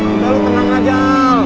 udah lo tenang aja al